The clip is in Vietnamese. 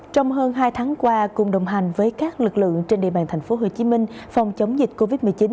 trong hơn hai tháng qua cùng đồng hành với các lực lượng trên địa bàn tp hcm phòng chống dịch covid một mươi chín